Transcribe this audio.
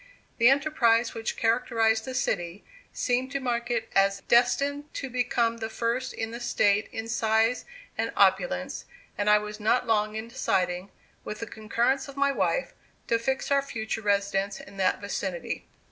The enterprise which characterized the city, seemed to mark it as destined to become the first in the State in size and opulence; and I was not long in deciding, with the concurrence of my wife, to fix our future residence in that vicinity.